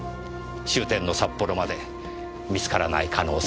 終点の札幌まで見つからない可能性が高い。